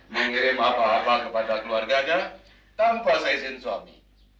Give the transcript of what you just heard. mengirim apa apa kepada keluarganya tanpa seizin suami